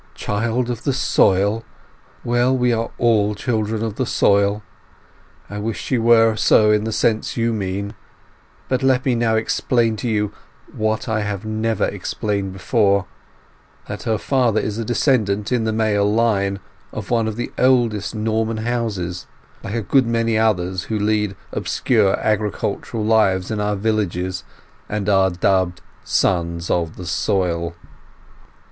"Child of the soil! Well, we all are children of the soil. I wish she were so in the sense you mean; but let me now explain to you what I have never explained before, that her father is a descendant in the male line of one of the oldest Norman houses, like a good many others who lead obscure agricultural lives in our villages, and are dubbed 'sons of the soil.